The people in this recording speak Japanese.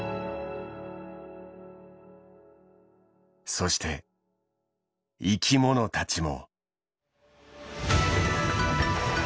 そして生き物たちも。